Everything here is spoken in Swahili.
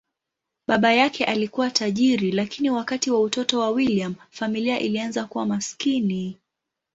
Baba yake alikuwa tajiri, lakini wakati wa utoto wa William, familia ilianza kuwa maskini.